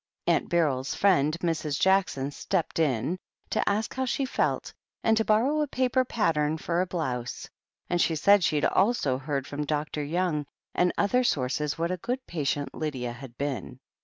Aunt Beryl's friend, Mrs. Jackson, "stepped in," to ask how she felt, and to borrow a paper pattern for a blouse, and said she had also heard from Dr. Young ,and other sources what a good patient Lydia had been.